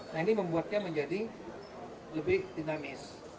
nah ini membuatnya menjadi lebih dinamis